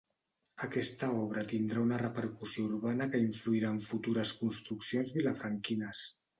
Aquesta obra tindrà una repercussió urbana que influirà en futures construccions vilafranquines.